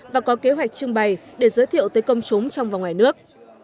và có kế hoạch trưng bày để giới thiệu tới công chúng trong và ngoài nước